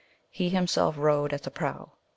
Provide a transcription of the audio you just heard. He himself rowed at the prow ."